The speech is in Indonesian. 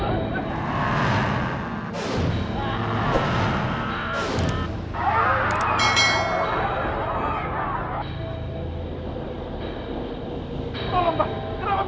ayo kita berjalan jalan